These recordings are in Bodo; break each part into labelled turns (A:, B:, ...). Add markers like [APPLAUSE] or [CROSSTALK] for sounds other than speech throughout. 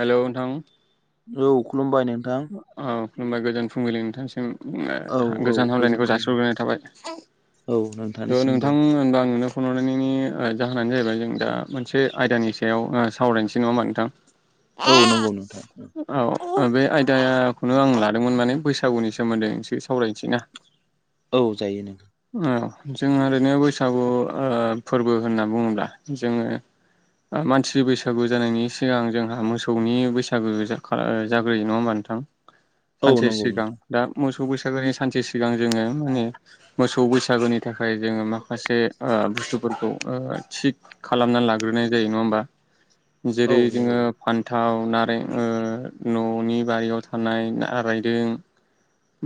A: हेलौ नोंथां
B: औ खुलुमबाय नोंथां
A: ओ खुलुमबाय गोजोन फुंबिलि नोंथांसिम
B: औ औ
A: गोजान
B: गोजोन
A: हामलायनायखौ
B: खुलुमबाय।
A: जसिहग्रोनाय थाबाय।
B: [INAUDIBLE]
A: औ
B: नोंथांनिसिमबो
A: नोंथां ओनबा [UNINTELLIGIBLE] फन हरनायनि जाहोनानो जाहैबाय जों दा मोनसे आयदानि सायाव सावरायनोसै नङा ओमबा नोंथां
B: औ नंगौ नोंथां
A: औ बे आ [INAUDIBLE] यदाखौनो आं लादोंमोन माने बैसागुनि सोमोन्दै एसे सावरायनोसैना
B: औ जायो नों
A: औ जों ओरैनो बैसागु फोरबो होनना बुङोब्ला जोङो मानसि बैसागु जानायनि सिगां जोंहा मोसौनि बैसागु जाग्रोयो नङा ओमबा मबा नोंथां?
B: औ
A: सानसे
B: नंगौ
A: सिगां
B: नोंथां
A: दा मोसौ बैसागोनि सानसे सिगां जोङो [INAUDIBLE] मोसौ बैसागोनि थाखाय जोङो माखासे ओ बुस्थु फोर थिग खालामना लाग्रोनाय जायो नङा होमबा
B: औ
A: जेरै जोङो
B: नंगौ
A: फान्थाव नारें न'नि बारियाव थानाय रायदों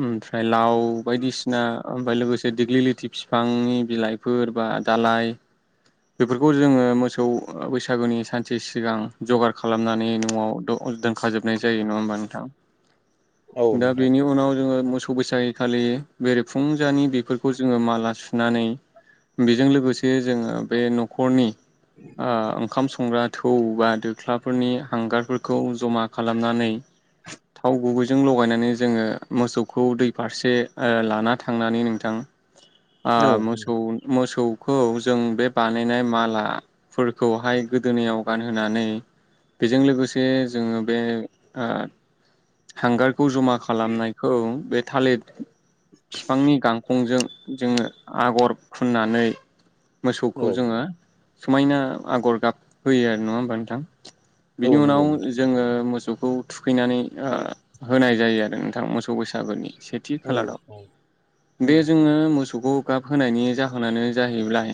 A: ओमफ्राय लाव बायदिसिना ओमफ्राय लोगोसे देग्लि लिथि फिफांनि बिलाइफोर बा दालाय बेफोरखौ जोङो मोसौ बैसागुनि सानसे सिगां जगार खालामनानै न'आव दोनखाजोबनाय जायो नङा होमबा नोंथां
B: औ
A: दा
B: नोंथां
A: बेनि उनाव जोङो मोसौ बैसागि खालि बेरेफुंजानि बेफोर खौ जोङो माला सुनानै बेजों लोगोसे जोङो बे न'खरनि ओंखाम संग्रा थौ बा दोख्लाफोरनि हांगारफोरखौ जमा खालामनानै थाव गुबैजों लगायनानै जोङो मोसौखौ दै फारसे लाना थांनानै नोंथां आ
B: औ
A: मोसौ मोसौ खौ जों बे बानायनाय मालाफोरखौहाय गोदोनायाव गानहोनानै बेजों लोगोसे जोङो बे ओ हांगारखौ जमा खालामनायखौ बे थालिर बिफांनि गांखंजों जोङो आगर फुननानै मोसौखौ
B: औ
A: जोङो समायना आगर गाब होयो आरो नङा होमबा नोंथां बिनि
B: औ
A: उनाव
B: नंगौ नोंथां
A: जोङो मोसौ खौ थुखैनानै होनाय जायो आरो नोंथां मोसौ बैसागुनि सेथि
B: औ
A: खालाराव
B: औ
A: बे जोङो मोसौखौ गाब होनायनि जाहोनानो जाहैबाय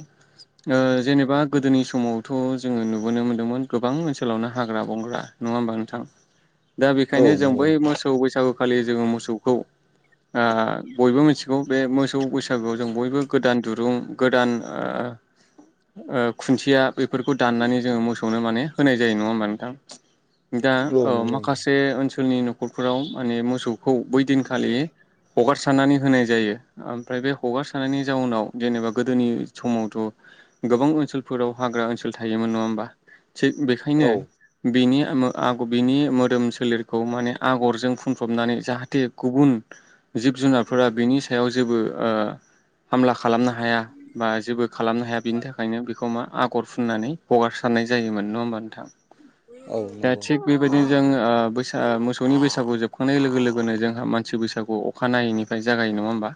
A: ओ जेनेबा गोदोनि समावथ' जोङो नुबोनो मोन्दोंमोन गोबां ओनसोलावनो हाग्रा बंग्रा नङा होमबा नोंथां दा
B: औ
A: बेनिखायनो
B: औ
A: जों
B: नंगौ
A: बै मोसौ बैसागु खालि जोङो मोसौखौ बयबो मिथिगौ बे मोसौ बैसा सागुआव जों बयबो गोदान दुरुं गोदान ओ खुन्थिया बेफोरखौ दाननानै जोङो मोसौनो माने होनाय जायो। नङा होमबा नोंथां? दा
B: औ
A: ओ
B: नंगौ
A: माखासे ओनसोलनि न'खरफोराव माने मोसौखौ बै दिनखालि हगारसारनानै होनाय जायो। ओम फ्राय बे हगारसारनायनि जाउनाव जेनेबा गोदोनि समावथ' गोबां ओनसोलफोराव हाग्रा ओनसो ल थायोमोन नङा होमबा थिग
B: औ
A: बेखायनो बिनि [UNINTELLIGIBLE] बिनि मोदोम सोलेरखौ माने आगरजों फुनफबनानै जाहाथे गुबुन जिब जुनारफोरा बिनि सायाव जेबो ओ हामला खालामनो हाया बा जेबो खालामनो हाया बिनि थाखायनो बेखौ मा आगर फुननानै हगारसारनाय जायोमोन। नङा होमबा नोंथां?
B: औ नंगौ औ नंगौ औ
A: दा
B: नंगौ
A: थिग बेबायदि जों ओ बोस आ मोसौनि बैसागु जोबखांनाय लोगो लोगोनो जोंहा मानसि बैसागु अखानायैनिफ्राय जागायो। नङा होमबा?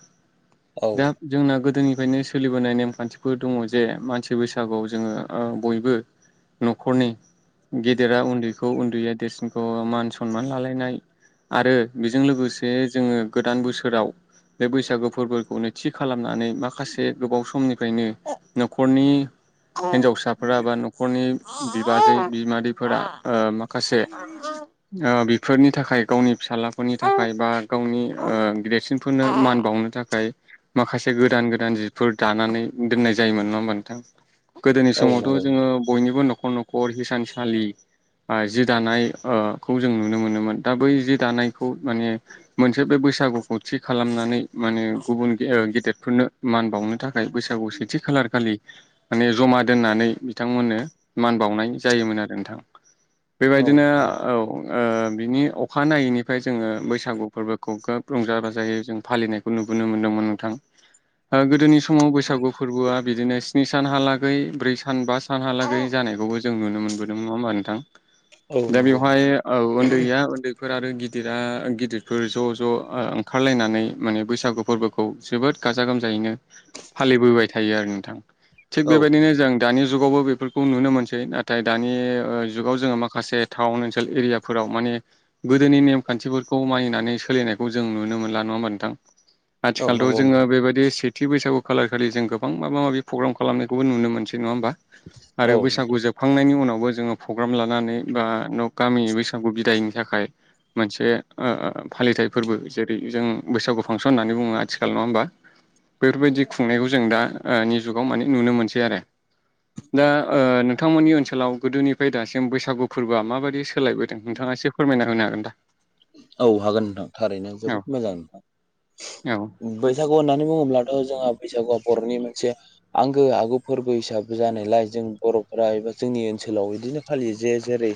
A: दा जोंना गोदोनि फ्रायनो सोलिबोनाय नेमखान्थिफोर दङ जे मानसि बैसागुआव जोङो ओ बयबो न'खरनि गेदेरा उन्दैखौ उन्दैया देरसिनखौ मान सनमान लालायनाय आरो बेजों लोगोसे जोङो गोदान बोसोराव बे बैसागो फो फोरबोखौनो थि खालामनानै माखासे गोबाव समनिफ्रायनो न'खरनि हिन्जावसाफोरा बा न'खरनि बिबाजै बिमादैफोरा ओ मा खासे ओ बि फोरनि थाखाय गावनि फिसालाफोरनि थाखाय बा गावनि ओ देरसिनफोरनो मान बावनो था खाय माखासे गोदान गोदान जिफोर दानानै दोननाय जायोमोन। नङा होमबा नोंथां? गोदोनि समावथ' जोङो बयनिबो न'खर न'खर हिसानसालि आ जि दानाय ओ खौ जों नुनो मोनोमोन दा बै जि दानायखौ माने मोनसे बे बै सागुखौ थि खालामनानै माने गुबुन गे ओ गेदेरफोरनो मान बावनो थाखाय बैसागु सेथि खालार खालि माने जमा दोननानै बिथांमोननो मान बावनाय जायोमोन आरो नोंथां। बेबायदिनो औ ओ बिनि अखाानायनायैनिफ्राय जोङो बैसागु फोरबोखौ खोब रंजा बाजायै जों फालिनायखौ नु नुनो मोनदोंमोन नोंथां। ओ गोदोनि समाव बैसागु फोरबोआ बिदिनो स्नि सानहालागै ब्रै सान बा सानहालागै जानायखौबो जों नुनो मोनबोदों। नङा होमबा नोंथां? दा बेवहाय औ उन्दैया उन्दै फोर आरो गिदिरा गिदिरफोर ज' ज' ओ ओंखारलायनानै माने बैसागु फोरबोखौ जोबोद गाजा गोमजायैनो फालिबोबाय थायो आरो नोंथां। थिग
B: औ
A: बेबायदिनो जों दानि जुगावबो बेफोरखौ नुनो मोनसै नाथाय दानि ओ जुगाव जोङो माखासे टाउन ओनसोल एरियाफोराव माने गोदोनि नेमखान्थिफोरखौ मानिनानै सोलिनायखौ जों नुनो मोनला। नङा होमबा नोंथां?
B: औ
A: आथिखालथ'
B: नंगौ
A: जोङो
B: नोंथां
A: बेबायदि से थि बैसागु खालार खालि जों गोबां माबा माबि प्रग्राम खालामखौबो नुनो मोनसै। नङा होमबा? आरो
B: औ
A: बैसागु
B: नोंथां
A: जोबखांनायनि उनाव बो जोङो प्रग्राम लानानै बा न गामिनि बैसागु बिदायनि थाखाय मोनसे ओ फालिथाइ फोरबो जेरै जों बैसागु फांसन होननानै बुङो आथिखाल। नङा होनबा? बेफोरबायदि खुंनायखौ जों दा जुगाव माने नुनो मोनसै आरो दा ओ नोंथांमोननि ओनसोलाव गोदोनिफ्राय दासिम बैसागु फोरबोआ माबायदि सोलायबोदों नोंथाङा एसे फोरमायना होनो हागोन दा?
B: औ हागोन नोंथां थारैनो
A: औ
B: जोबोद मोजां नोंथां।
A: औ औ
B: बैसागु होननानै बुङोब्लाथ' जोंहा बैसागुआव बर'नि मोनसे आंगो आगु फोरबो हिसाबै जानायलाय जों बर'फोरा एबा जोंनि ओनसोलाव बिदिनो फालियो जे जेरै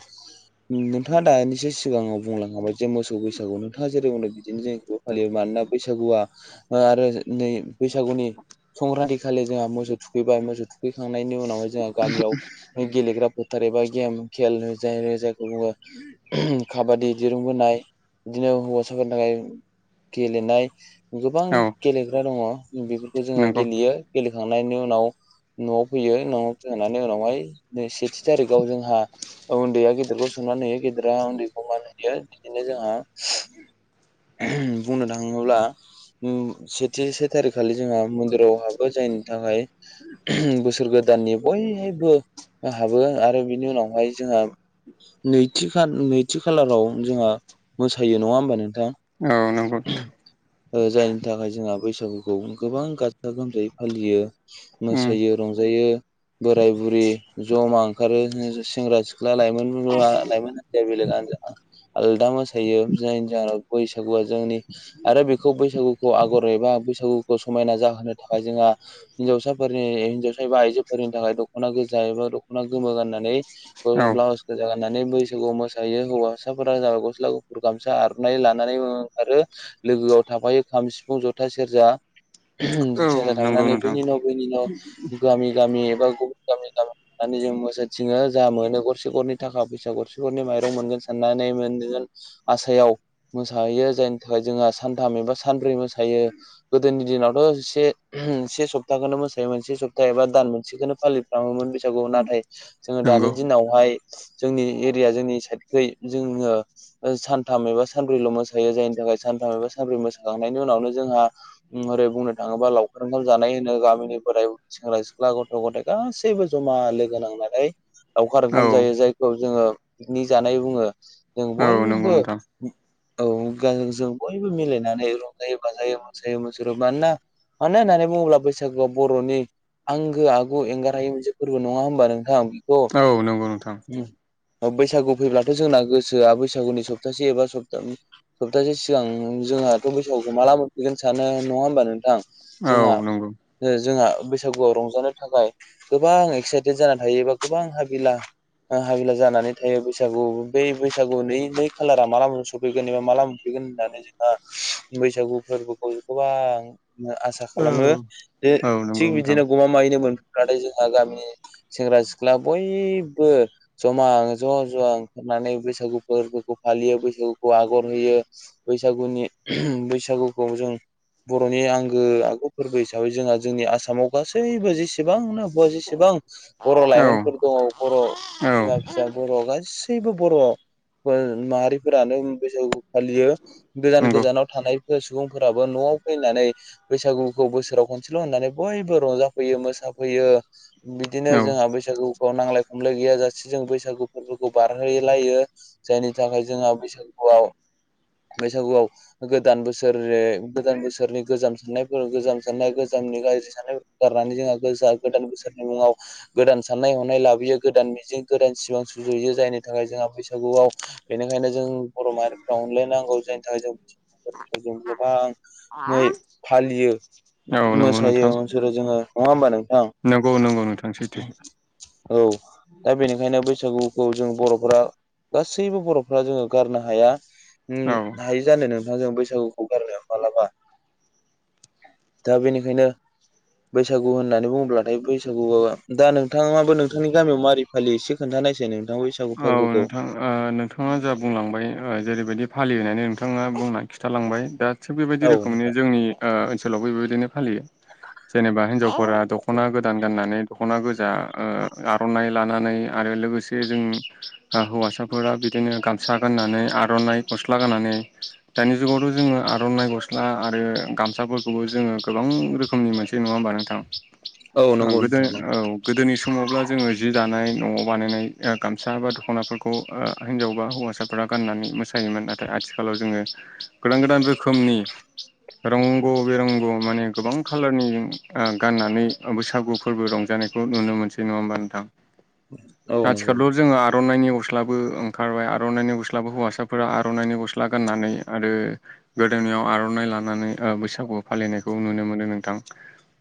B: नोंथाङा दानिसो सिगाङाव बुंलांखाबाय जे मोसौ बैसागु नोंथाङा जेरै बुंदों बिदिनो जोंखौबो फालियो मानोना बैसागुआ ओ आरो नै बैसागुनि संक्रान्ति खालि जोंहा मोसौ थुखैबाय मोसौ थुखैखांनायनि उनावहाय जोंहा गामियाव गेलेग्रा फो आरोबा गेम खेल जायखौ बुङो काबादि बि बोनाय बिदिनो हौवासाफोरनि थाखाय गेलेनाय गोबां गेलेग्रा दङ बेफोरखौ जोङो
A: नंगौ
B: गेलेयो गेलेखांनायनि उनाव न'आव फैयो न'आव फैनानै उनावहाय न सेथि थारिखाव जोंहा उन्दैया गेदेरखौ सनमान होयो गेदेरा उन्दैखौहाय होयो बिदिनो जोंहा बुंनो थाङोब्ला सेथि से थारिखखालि जोंहा मन्दिराव हाबो जायनि थाखाय बोसोर गोदान गोदाननि बयहबो हाबो आरो बिनि उनावहाय जोंहा नैथि खा नैथि खालाराव जोंहा मोसायो नङा होमबा नोंथां
A: औ नंगौ नोंथां
B: जायनि थाखाय जोंहा बैसागुखौ गोबां गाजा गोमजायै फालियो
A: उम
B: मोसायो रंजायो बोराय बुरि जमा ओंखारो सेंग्रा सिख्ला लाइमोन
A: औ
B: लाइमोन हानजाया बेलेग हानजा आलदा मोसायो जायनि जाहोनाव बैसागुआ जोंनि आरो बेखौ बैसागुखौ आगर एबा बैसागुखौ समायना जाहोनो थाखाय जोंहा हिनजावसाफोरनि हिनजावसा एबा आइजोफोरनि थाखाय दख'ना गोजा जायोबा दख'ना गोमो गाननानै ब्लाउसखौजा गाननानै बैसागुआव मोसायो हौवा जाबाय गस्ला गुफुर गामसा आर'नाय लानानै आरो लोगोआव थाफायो खाम सिफुं जथा सेरजा
A: औ
B: सेरजा
A: नंगौ
B: दामनानै
A: नोंथां
B: बेनि न' बेनि न' गामि गामि बा गुबुन गामि दामि थनानै जों मोसाथिङो जा मोनो गरसे गरनै थाखा फैसा गरसे बिनि माइरं मोनगोन साननानै मोनगोन आसायाव मोसाहैयो जायनि थाखाय जोंहा सानथाम एबा सानब्रै मोसायो गोदोनि दिनावथ' एसे से सप्ताखौनो मोसायोमोन से सप्ता एबा दान मोनसेखौनो फालि खालामोमोन बे बैसागोखौहाय नाथाय जोङो दानि
A: नंगौ
B: दिनावहाय जोंनि एरिया जोंनि साइड जोङो सानथाम एबा सानब्रैल' मोसायो जायनि थाखाय सानथाम एबा सानब्रै मोसाखांनायनि उनाव वनो जोंहा ओरै बुंनो थाङोबा लाव [UNINTELLIGIBLE] जानाय होनो गामिनि बोराइ बुर सेंग्रा सिख्ला गथ' गथाय गासैबो जमा लोगो नांनानै लावखार
A: औ
B: ओंखाम जायो जायखौ जोङो पिकनिक जानाय बुङो जों
A: औ नंगौ
B: बयबो
A: नोंथां
B: औ गाज जों बयबो मिलायनानै रंजायो बाजायो मोसायो मोसुरो मानोना मानो होननानै बुङोब्ला बैसागुआव बर'नि आंगो आगु एंगारहायै मोनसे फोरबो नङा होमबा नोंथां
A: औ नंगौ नोंथां
B: अ बैसागु फैब्लाथ' जोंना गोसोआ बैसागुनि सप्तासे एबा सप्ता सप्तासे सिगां जोंहाथ' बैसागुखौ माला मोनफिगोन सानो नङा होमबा नोंथां जोंहा
A: औ नंगौ
B: जोंहा बैसागुआव रंजानो थाखाय गोबां एक्साइटेड जाना थायोबा गोबां हाबिला हाबिला जानानै थायो बैस बैसागु बेै बैसागु नै नै खालारा माला मोनफै सफैगोन एबा माला मोनफैगोन होननानै जोंहा बैसागु फोरबोखौ गोबां आसा
A: औ
B: खालामो जे
A: औ नंगौ
B: थिग
A: नोंथां
B: बिदिनो गमामायैनो मोन जोंहा गामिनि सेंग्रा सिख्ला बयबो जमानो ज' ज ओंखारनानै बैसागु फोरबोखौ फालियो बैसागुखौ आगर होयो बैसागुनि बैसागुखौ जों बर'नि आंगो आगु फोरबो हिसाबै जोंहा जोंनि आसामाव गासैबो जे -सेबांनो जेसेबां बर'
A: औ
B: लाइमोनफोर दङ बर'
A: औ
B: बिमा फिसा बर' गासि गासैबो बर' माहारिफोरानो बैसागुखौ फालियो गोजान
A: नंगौ
B: गोजानाव थानाय सुबुंफोराबो न'आव फैनानै बैसागुखौ बोसोराव खनसेल' होननानै बयबो रंजाफैयो मोसानो फैयो बिदिनो
A: औ
B: जोंहा बैसागुखौ नांलाय खमलाय गैया जासे जों बैसागु फोरबो बारहो लायो जायनि थाखाय जोंहा बैसागुआव बैसागुआव गोदान बोसोर गोदान बोसोरनि गोजाम साननायफोर गोजाम साननाय गोजाम गाज्रि साननाय गारनानै जोंहा गो गोदान बोसोरनि मुङाव गोदान साननाय हनाय लाबोयो गोदान मिजिं गोदान सिमां सु जुयो जायनि थाखाय जोंहा बैसागुआव बेनिखायनो जों बर' माहारिफ्रा अनलायनांगौ जायनि थाखाय जों [UNINTELLIGIBLE] गोबाङै फालियो
A: नंगौ
B: मोसायो
A: नोंथां
B: [UNINTELLIGIBLE] जोङो नङा होमबा नोंथां
A: नंगौ नंगौ नोंथां सैथो
B: औ दा बेनिखायनो बैसा सागुखौ जों बर'फ्रा गासैबो बर'फ्रा जोङो गारनो हाया
A: औ
B: उम हायो जानो नोंथाङां जों बैसागु
A: [INAUDIBLE]
B: दा बेनिखायनो बैसागु होननानै बुङोब्लाथाय बैसागुआ दा नोंथाङाबो नोंथांनि गामियाव मारै फालि एसे खोनथा नायसाय नो
A: औ नोंथां नोंथाङा जा बुंलांबाय जेरैबायदि फालिनानै नोंथाङा बुंनानै खिथालांबाय दा थिग बेबायदि
B: औ
A: रोखोमैनो
B: नोंथां
A: जोंनि ओनसोलावबो बेबायदिनो फालियो जेनेबा हिनजावफोरा दख'ना गोदान गाननानै दख'ना गोजा आर'नाइ लानानै आरो लोगोसे जों हौवासाफोरा बिदिनो गामसा गाननानै आर'नाइ गस्ला गाननानै दानि जुगाव थ' जोङो आर'नाइ गस्ला आरो गामसाफोरखौबो जोङो गोबां रोखोमनि मोनसै नङा होमबा नोंथां
B: औ नंगौ
A: गोदो
B: नोंथां
A: औ
B: नंगौ
A: गोदोनि समावब्ला जोङो जि दानाय न'आव बानायनाय गामसा बा दख'नाफोरखौ हिनजाव बा हौवासाफोरा गाननानै मोसायोमोन नाथाय आथिखालाव जोङो गोदान गोदान रोखोमनि रंग' बिरंग' माने गोबां खाालारनि गाननानै बैसागु फोरबो रंजानाय खौ नुनो मोनै नङा होमबा नोंथां
B: [INAUDIBLE]
A: थेवबो जों आर'नायनि गस्लाबो ओंखारबाय आरनायनि गस्लाबो हौवासाफोरा आरनायनि गस्ला गाननानै आरो गोदो नायाव आर'नाइ लानानै ओ बैसागुआव फालिनायखौ नुनो मोनो नोंथां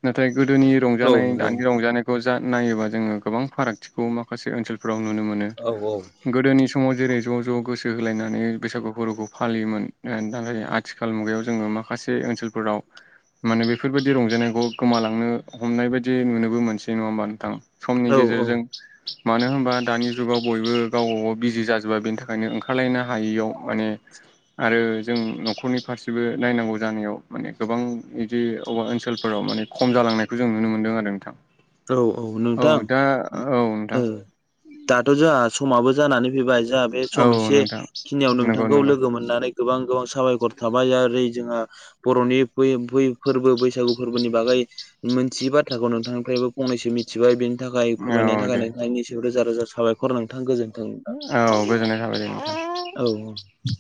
A: नाथाय गोदोनि
B: औ
A: रंजानाय
B: नंगौ
A: दानि रंजानायखौ जा नायोबा जोङो गोबां फारागथिखौ माखासे ओनसोल फ्राव नुनो मोनो
B: औ
A: गोदोनि समाव जेरै ज' ज' गोसो होलायनानै बैसागु फोरबोखौ फालियोमोन दा आथिखाल मुगायाव जोङो माखा से ओनसोलफोराव माने बेफोरबायदि रंजानायखौ गोमालांनो हमनाय बायदि नुनोबो मोनसै नङा होमबा नोंथां? समनि
B: औ
A: गेजेरजों
B: औ
A: मानो होन नोबा दानि जुगाव बयबो गावबा गाव बिजि जाजोबबाय बेनि थाखायनो ओंखारलायनो हायैयाव माने आरो जों न'खरनि फारसेबो नायनांगौ जानायाव माने गोबां बिदि अबेबा ओनसोलफोराव औ माने खम जालांनायखौ जों नुनो मोनदों आरो नोंथां।
B: औ औ नोंथां औ दाथ' जोंहा समाबो जानानै फैबाय। जा बे सम
A: औ
B: एसे
A: नोंथां
B: खिनियाव
A: नंगौ
B: नोंथांखौ
A: नंगौ
B: लोगो मोननानै गोबां गोबां साबायखर थाबाय आरो जोंहा बर'नि फोरबो बैसागु फोरबोनि बागै मोनथियै बाथ्राखौ नोंथांनिफ्रायबो फंनैसो मिथिबाय बेनि थाखाय
A: औ
B: फोरमायनायनि थाखाय
A: दे
B: नोंथांनि सायाव रोजा रोजा साबायखर नोंथां गोजोन
A: औ गोजोननाय थाबाय
B: औ
A: नोंथां